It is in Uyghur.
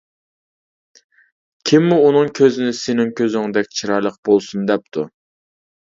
كىممۇ ئۇنىڭ كۆزىنى سېنىڭ كۆزۈڭدەك چىرايلىق بولسۇن دەپتۇ.